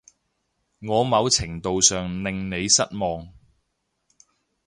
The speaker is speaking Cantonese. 我某程度上令你失望